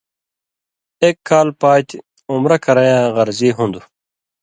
اېک کال پاتیۡ عُمرہ کرَیں یاں غرضی ہُون٘دوۡ؛